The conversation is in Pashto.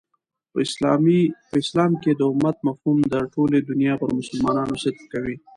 په اسلام کښي د امت مفهوم د ټولي دنیا پر مسلمانانو صدق کوي.